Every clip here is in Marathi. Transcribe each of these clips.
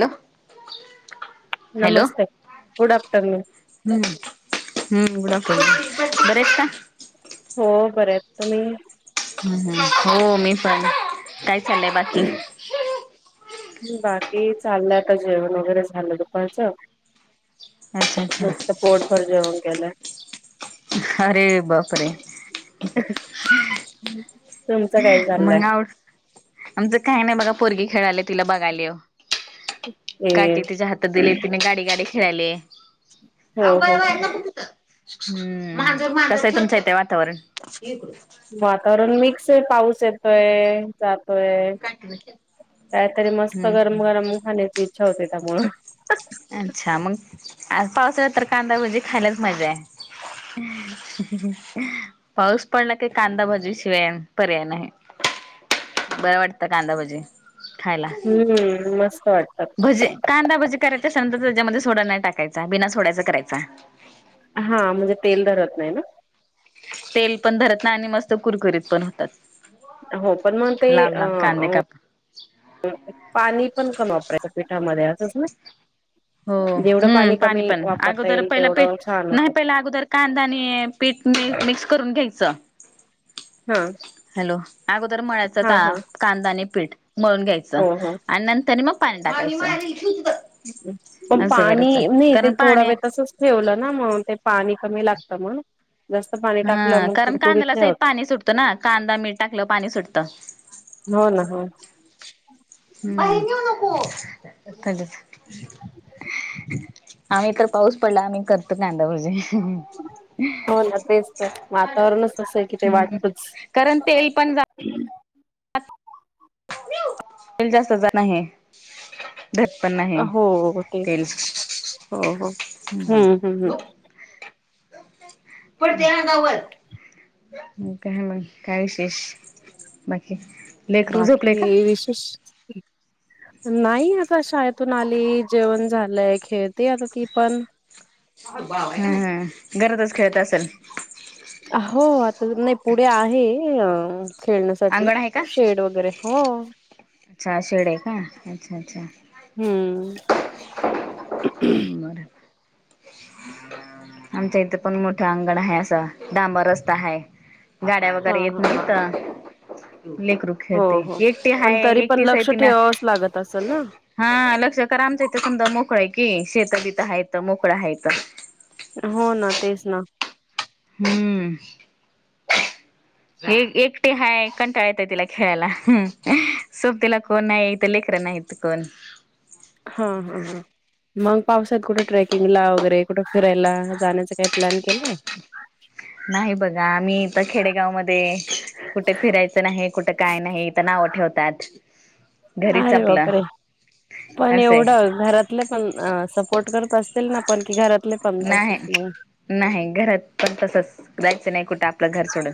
हॅलो. नमस्ते गुड आफ्टरनून. हम हम गुड आफ्टरनून बरच आहेत का. हो बर आहेत तुम्ही. ह हो मी पण काय चालय बाकी. बाकी चाललंय आता जेवण वगैरे झालं दुपारचं. अच्छा अच्छा मस्त पोटभर जेऊन केलंय. अरे बापरे. हम. मग आवड आमचं काही नाही बघा पोरगी खेळाले तिला बघाले. हे काठी तिच्या हातात दिली तिने गाडी गाडी खेळाली. हो हो हो. हम्म कस आहे तुमचं इथे वातावरण. वातावरण मिक्स आहे पाऊस येतोय जत''--'' तय काहीतरी मस्त हम्म गरम गरम खाण्याची इच्छा होते त्यामूळ. अच्छा मग आ पावसाला तर कांदा म्हणजे खाण्यात मजा आहे. पाऊस पडला की कांदा भजी शिवाय पर्याय नाही. बरं वाटतं कांदा भजी. खायला हम्म मस्त वाटतात भजे कांदा भजे. करत असाल तर त्याच्यामध्ये सोडा नाही टाकायचा बिना सोडायचा करायचा. हा म्हणजे तेल धरत नाही ना. तेल पण धरत नाही आणि मस्त कुरकुरीत पण होतात. हो पण मग ते लांब अ लांब कांदे अ. काप पाणी पण कम वापरायचं पिठामध्ये असंच ना. हो जेवढं हम्म पाणी कमी पण वापरता अगोदर येईल पहिला प तेवढं छान नाही होतं पहिला अगोदर कांदा आणि पीठ म मिक्स करून घ्यायचं. ''हां'' हॅलो अगोदर मळायच का हां कांदा आणि पीठ मळून घ्यायचं हो हो आणि नंतर मग. पाणी टाकायचं. पण असं करायचं पाणी नाही ते कारण थोडा पाणी वेळ तसच. ठेवलं ना म्हणून ते पाणी कमी लागत म्हण. हं कारण कांद्याला सहित होत पाणी सुटतं ना कांदा मीठ टाकलं पाणी सुटतं. हो ना हो ना. बाहेर नेऊ नको. आम्ही तर पाऊस पडला आम्ही करतो कांदाभजी. हो ना तेच तर वातावरणच असं आहे की ते हम्म वाटतंच कारण तेल पण हम् तेल जास्त जाण आहे दटपन आहे हो ते तेल हो हो हम्म हम्म पडते अंगावर का मग काय विशेष बाकी लेकरू झोपले का? बाकी विशेष नाही आता शाळेतून आली जेवण झालंय खेळते आता ती पण हम् हम् घरातच खेळत असेल हो आता नाही पुढे आहे अ खेळण्यासाठी अंगण आहे का? शेड वगैरे हो अच्छा शेळ्या का अच्छा अच्छा हम्म बर आमच्या इथे पण मोठं अंगण आहे असं डांबर रस्ता हाय गाड्या हा वगैरे येत हा हा नाहीत लेकरु हो हो खेळतेय एकटे पण हाय तरी पण एकटीच आहे लक्ष तिनं ठेवावंच लागत असल ना हा लक्ष क आमच इथे समद मोकळा आहे की शेत बित हायत मोकळ हायत हो ना तेच ना हम्म एक एकटी हाय कंटाळ येत तिला खेळायला सोप तिला कोण नाही इथं लेकररं नाहीत तिकण हा हा हा मग पावसात कुठे ट्रेकिंगला वगैरे कुठे फिरायला जाण्याच काही प्लॅन केलाय नाही बघा आम्ही इथ खेडेगाव मध्ये कुठे फिरायचं नाही कुठं काय नाही इथ नाव ठेवतात घरीच अरे आपलं बापरे पण असंय एवढं घरातलं पण सपोर्ट करत असतील ना पण की घरात नाही नाही घरात पण तसच जायचं नाही कुठं आपलं घर सोडून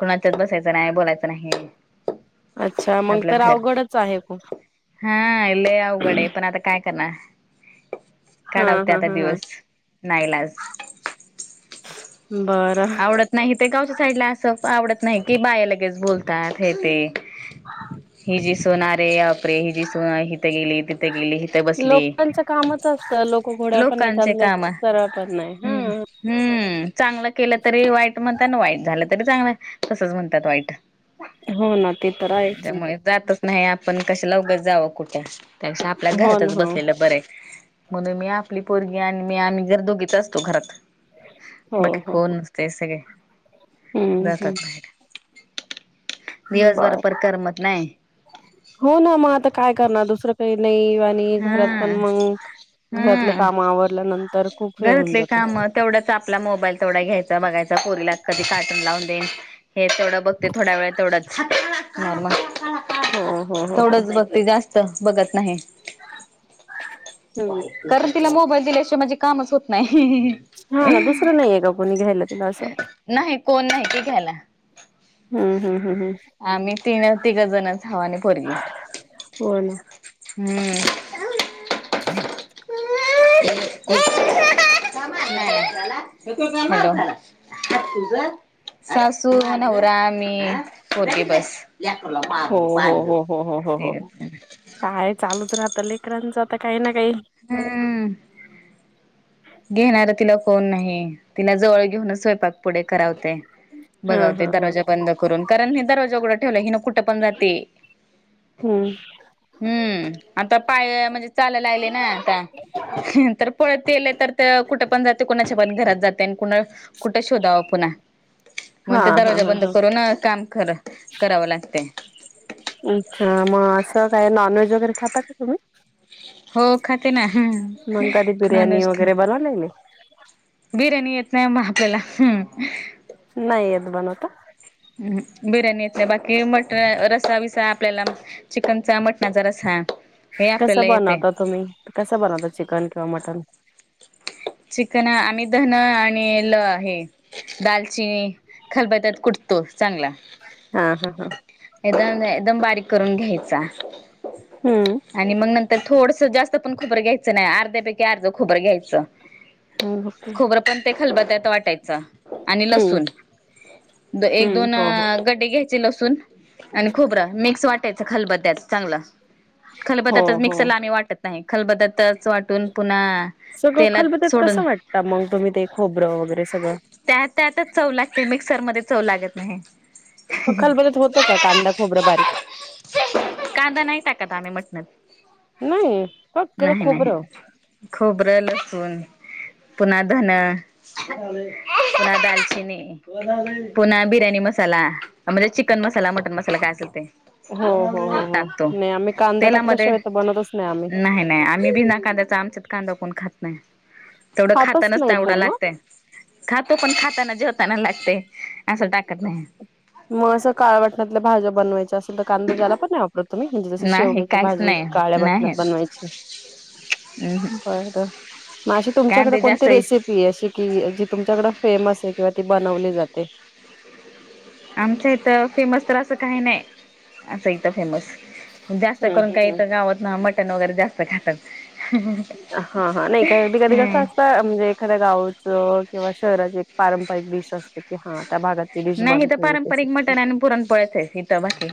कुणाच्यात बसायचं नाही बोलायचं नाही अच्छा मग आपलं तर घर अवघडच आहे खूप. हा लय अवघड पण आता काय करणार हा काढवते हा आता हा हा. दिवस नाईलाज बरं आवडत नाही ते गावच्या साईडला असं आवडत नाही कि बाया लगेच बोलतात हे ते हि जी सुन आरे बापरे हि जी सुन हिथं गेली तिथं गेली त.. बसली लोकांचं कामच असतं लोक घोड्या पण नाही लोकांचे चालले काम सरळ पण नाही हम् हा. हम्म चांगलं केलं तरी वाईट म्हणतात ना वाईट झालं तरी चांगलं तसंच म्हणतात वाईट हो ना ते तर हायेच त्याच्यामुळे जातच नाही आपण कशाला उगाच जाव कुठ त्यापेक्षा आपल्या हो ना घरातच हो. बसलेलं बरेय म्हणून मी आपली पोरगी आणि मी आम्ही घर दोघीच असतो घरात हो बाकी हो कोण हो. नसते सगळे हम्म जातात हम्म. दिवस बर पर करमत नाही हो ना मग आता काय करणार दुसरं काही नाही आणि हा घरात पण मंग घरातल हम्म काम आवरल्यानंतर, खूप वेळ हे होऊन जा घरातले काम. तेवढं आपला मोबाईल तेवढा घ्यायचा. बघायचा. पोरीला कधी कार्टून लावून देईन. हे तेवढं बघते थोड्या वेळ. तेवढंच नॉर्मल. हो हो हो हो तेढडच बघते. जास्त बघत नाही. [inaudible] कारण तिला मोबाईल दिल्याशिवाय, माझे कामच होत नाही. हा ना दुसरं नाहीये का कोणी घ्यायला? तिला असं नाही कोण नाही की घ्यायला. हम्म हम्म हम्म हम्म आम्ही तीन तिघ जणच हाव आणि पोरगी. हो ना. हम्म. हम् [inaudible] नाही [inaudible] सासू, नवरा, मी, पोरगी बस. लेकरला हो मारल हो पाडल. हो हो हो हो हो काय चालूच राहतं. लेकरांचं आता काही ना काही. ह [inaudible] घेणार तिला कोण नाही. तिला जवळ घेऊनच स्वयंपाक पुढे करावते. हा बघावते. हा हा दरवाजा बंद करून. कारण मी दरवाजा उघडं ठेवला की, हि ना कुठं पण जाते. हम्म. हम्म आता पाय म्हणजे चालायला लागली ना आता. तर पळते लई तर कुठे पण जाते. कोणाच्या पण घरात जाते. आण कोणा कुठे शोधावं पुन्हा. मग हा ते हा दरवाजा हा बंद हा करून काम खर करावं लागते. अच्छा, मग असं काय नॉनव्हेज वगैरे खाता का तुम्ही? हो खाते ना. नॉन व्हेज खात नाही नाही. बिर्याणी येत नाही म आपल्याला. नाही येत बनवता? बिर्याणीे येत नाही. बाकी मट रसा बिसा आपल्याला चिकनचा, मटणाचा रसा. हे कस आपल्याला येते बनवता तुम्ही? कस बनवता चिकन किंवा मटन? चिकन आम्ही धन आणि ल हे दालचिनी खलबत्यात कुठतो. चांगला. हा हा ह. एकदम एकदम बारीक करून घ्यायचा. हम्म. आणि मग नंतर थोडसं जास्त पण खोबर घ्यायचं नाही. अर्ध्यापैकी अर्ध खोबर घ्यायचं. ह बके [unintelligible] खोबरं पण ते खलबत्यात वाटायच. आणि हम्म लसुण एक हम्म दोन हो हो कडे घ्यायचे लसूून. आणि खूबर मिक्स वाटायचं खलबत्यात चांगलं. खलबत्यातच हो हो मिक्सरला आम्ही वाटत नाही. खलबत्यातच वाटून पुन्हा सगळं तेलात खलबत्यात सोडून कसं वाटतं मग, तुम्ही ते खोबरं वगैरे सगळं. त्या त्यात चव लागते. मिक्सरमध्ये चव लागत नाही. खलबळ्या होत का कांदा खोबरं बारीक. कांदा नाही टाकत आम्ही मटणात नाही फक्त नाही नाही. खोबरं खोबरं लसूण पुन्हा धन पुन्हा दालचिनी पुन्हा बिर्याणी मसाला म्हणजे चिकन मसाला मटन मसाला काय असल ते हो हो हो हो टाकतो नाही आम्ही कांदा तेलामध्ये टाकल्याशिवाय तर बनतच नाही आम्ही नाही नाही आम्ही बिना कांद्याचा आमच्यात कांदा कोण खात नाही तेवढं खातच खातानाच नाही तेवढं पूर्ण लागत खातो पण खाताना जेवताना लागते असं टाकत नाही मग असं काळवटणातल्या भाज्या बनवायच्या असेल तर कांदा त्याला पण नाही वापरत? तुम्ही म्हणजे जस नाही शेवग्याची काहीच भाजी काळ्या नाही नाही वाटणात बनवायची. हम्म बरं म अशी तुमच्याकडे कांदे जास्त कोणती रेसिपी ही अशी की जी तुमच्याकड फेमस आहे किंवा ती बनवली जाते? आमच्या इथं फेमस तर असं काही नाही असं इथं फेमस जास्त हम्म करून हम्म काही हम्म इथ गावत ना मटण वगैरे जास्त खातात. हा हा नाही काय बी कधी कसं हम्म अस त, म्हणजे एखाद्या गावचं किंवा शहराची एक पारंपरिक डिश असते कि हा. त्या भागात ती डिश नाही इथं बनते, पारंपरिक अच्छा! मटण आणि पुरणपोळ्याच आहे इथं बाकी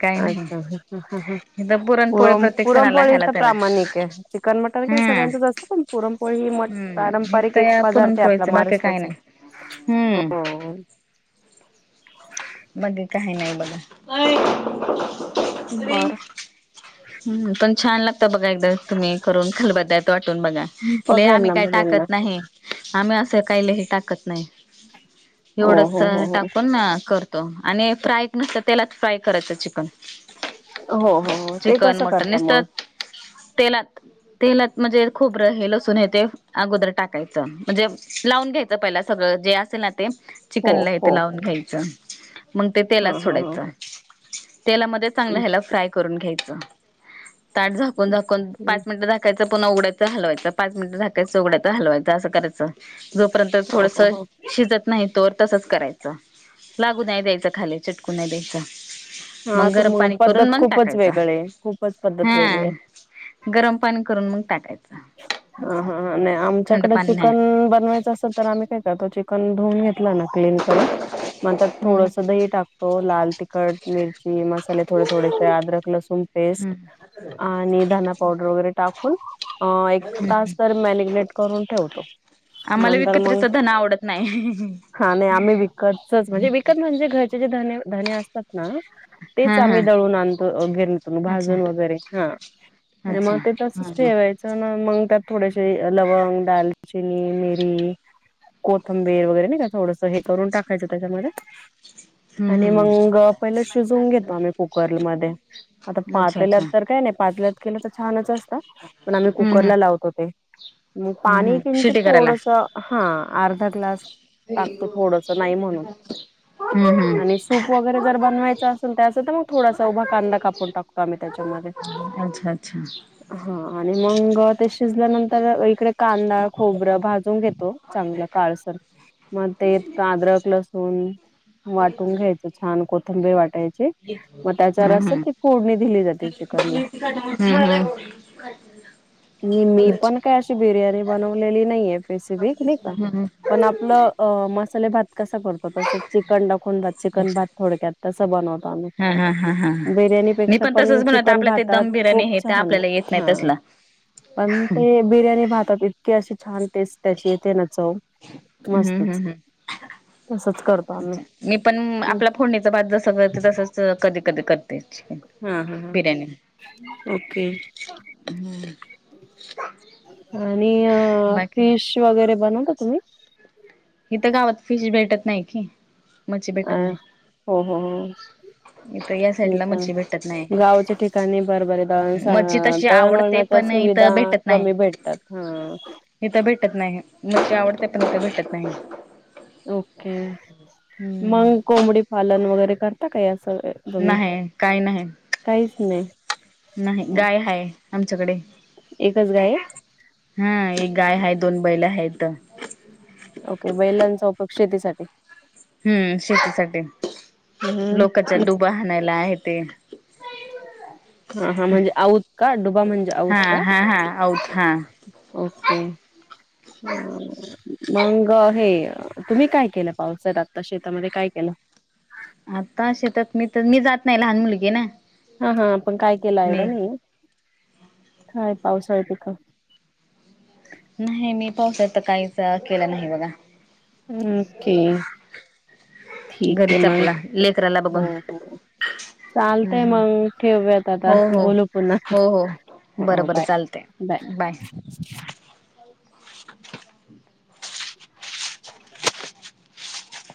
काही नाही. ह ह ह इथं पुरणपोळी पुरण प्रत्येक पुरण सणाला पोळी ह्याला तर त्याला प्रामाणिक आहे चिकन मट काय हम्म सगळ्यांचं जास्तं पण पुरणपोळी ही हम्म हे पारंपरिक तर एक या पदार्थ आहे आपला पुरणपोळीच बाकी काही महाराष्ट्राचा नाही हम्म! हो! बाकी काही नाही बघ. बर हम्म, पण छान लागत बघा एकदा तुम्ही करून खलबत्त्यात वाटून बघा. लय बघेल आम्ही ना काय बघेल ना टाकत नाही. आम्ही असं काही लही टाकत नाही हो एवढंच हो हो हो टाकून ना कर तो आणि फ्राय नुसत तेलात फ्राय करायचं चिकन हो हो हो ते चिकन कसं मटन करता मग? नुसतं तेलात तेलात म्हणजे खोबरं लसुन येते. अगोदर टाकायचं म्हणजे लावून घ्यायचं पहिला सगळं जे असेल ना ते हो चिकनला इथे हो लावून घ्यायचं मग ते ह तेलात ह ह सोडायचं तेलामध्ये चांगलं ह्याला फ्राय करून घ्यायचं ताट झाकून झाकून पाच मिनिट झा त्याचा पण उघडायच हलवायच पाच मिनट झाकायचं उघडायच हलवायच अस करायचं. जोपर्यंत हो थोडस हो हो शिजत नाही तोवर तसच करायचं लागू नाही द्यायचं खाली चटकू नाही द्यायचं हा मग तू गरम पाणी पद्धत करून मग खूपच टाकायचं वेगळे खूपच पद्धत वेगळी हा आहे. गरम पाणी करून मग टाकायचं ह असं ह नाही थंड आमच्याकड पाणी नाही. चिकन बनवायचं अस ल तर आम्ही काय करतो चिकन धुवून घेतला ना क्लीन करून मग त्यात हम्म. थोडंस दही टाक हो लाल तिखट मिरची मसाले थोडे थोडेसे अदरक लसूण पेस्ट हम्म आणि धना पावडर वगैरे टाकून आ एक तास तर मॅगिनेट करून ठेवतो आम्हाला नंतर मग विकत्राचा धना आवडत नाही हा नाही आम्ही विकतच म्हणजे विकत म्हणजे घरचे जे धने धने असतात ना तेच हा हा आम्ही दळून आणतो गिरणीतून अच्छा भाजून वगैरे हा. अच्छा मग ते हा तसच हा. ठेवायचं ना मग त्यात थोडेसे लवंग, दालचिनी, मिरी. कोथंबीर वगैरे नाही का थोडंसं हे करून टाकायचं त्याच्यामध्ये. हम्म आणि हम्म मग पहिले शिजून घेतो आम्ही कुकरमध्ये आता अच्छा पातील्यात अच्छा तर काय नाही पातील्यात लं तर छानच असत पण आम्ही हम्म हम्म कुकरला लावतो ते. मग हम्म पाणी हम्म किंचित शिटी करायला. थोडस हा अर्धा ग्लास टाकतो थोडस नाही म्हणून हम्म आणि हम्म सूप वगैरे जर बनवायच अस तर मग थोडासा उभा कांदा कापून टाकतो आम्ही त्याच्यामध्ये. अच्छा अच्छा हा आणि मग ते शिजल्यानंतर इकडे कांदा, खोबरं भाजून घेतो चांगलं काळसर मग ते अद्रक, लसूण वाटून घ्यायचं छान कोथंबीर वाटायची. मग त्याच्या हम्म रसात हम्म ती फोडणी द्यायची. हम्म हम्म. मी मी पण अच्छा काय अशी बिर्याणी बनवलेली नाहीये. रेसिपी नाही का हम्म पण आपल मसाले भात कस करतो तसं चिकन दाखवून भात चिकन अच्छा भात थोडक्यात तस बनवतो आम्ही हा हा हा हा. मी बिर्याणीपेक्षा पण तसंच बनवत चिकन आपल्या ते भातात दम बिर्याणी खूप हे ते छान आपल्याला येत नाही हा. तसलं पण ते बिर्याणी भातात इतकी अशी छान टेस्ट त्याची तेे ना चव. हम्म मस्तच हम्म हम्म तसच करतो आम्ही मी पण हम्म. आपलं फोडणीचा भात जसं करते तसच कधी कधी करत. हा हा हा ओके. आणि अ बाकी फिश वगैरे बनवता तुम्ही? इथं गावात फिश भेटत नाही की. मच्छी अ भेटत नाही हो हो हो. इथं या साईडला प मच्छी भेटत नाही गावच्या ठिकाणी बर बर मच्छी दळण तशी आवडते दळणवळणा पण सुविधा इथं भेटत नाही कमी भेटतात ह इथं भेटत नाही नची आवडते पण इथं भेटत नाही ओके, हम्म मग कोंबडी पालन वगैरे करता काय अस नाही काही नाही नाही नाही, गाय हाय आमच्याकडे एकच गाय आहे हा एक गाय आहे दोन बैला आहेत. ओके बैलांचा उपयोग शेतीसाठी हम्म शेतीसाठी. लोकाच्या हम्म दुबा हाणायला आहे ते. हा हा म्हणजे आऊत का डुबा म्हणजे आऊत हा का. हा हा आऊत हा ओके. मंग हे तुम्ही काय केलं पावसात आत्ता शेतामध्ये काय केलं. आता शेतात मी तर मी जात नाही लहान मुलगी ना हा हा पण काय केलं आयडिया मी नाही काय पावसाळ पिक नाही मी पावसाळा तर काहीच केलं नाही बघा. ओके ठीक आहे घरीच मग आपला लेकराला बघून. हो हो. हम्म चालतय हम्म. मग ठेवूयात आता हो हो बोलू पुन्हा हो हो अ बरं हं बरं बाय चालतंय -बाय.